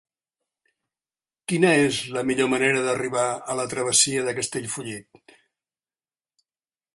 Quina és la millor manera d'arribar a la travessia de Castellfollit?